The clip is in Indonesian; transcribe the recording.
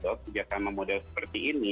suja sama model seperti ini